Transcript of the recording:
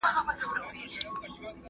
ایا ځايي کروندګر بادام اخلي؟